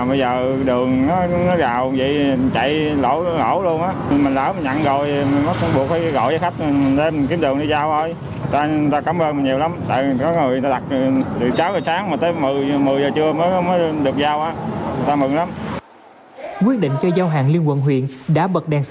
quyết định cho giao hàng liên quận huyện đã bật đèn xanh